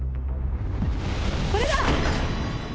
これだ！